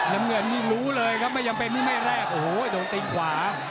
น้ำเงินนี่รู้เลยครับไม่จำเป็นนี่ไม่แรกโอ้โหโดนตีนขวา